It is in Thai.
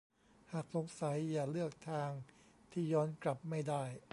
หากสงสัยอย่าเลือกทางที่ย้อนกลับไม่ได้